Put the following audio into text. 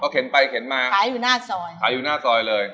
เข็นไปเข็นมาขายอยู่หน้าซอย